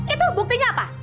itu buktinya apa